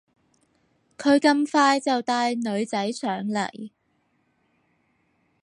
佢咁快就帶女仔上嚟